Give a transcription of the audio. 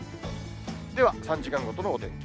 では、３時間ごとのお天気。